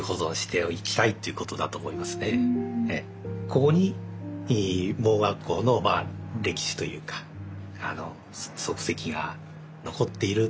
ここに盲学校の歴史というか足跡が残っている。